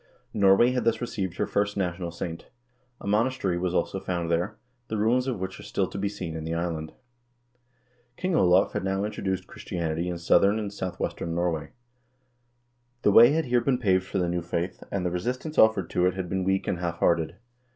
Norway had thus received her first national saint. A monas tery was also founded there, the ruins of which are still to be seen in the island.1 King Olav had now introduced Christianity in southern and south western Norway. The way had here been paved for the new faith, and the resistance offered to it had been weak and half hearted.